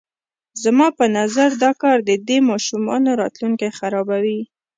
زما په نظر دا کار د دې ماشومانو راتلونکی خرابوي.